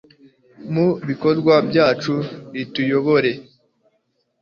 mu bikorwa byacu rituyobore